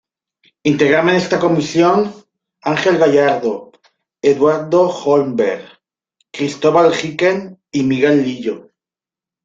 Integraban esta comisión Ángel Gallardo, Eduardo Holmberg, Cristóbal Hicken, y Miguel Lillo.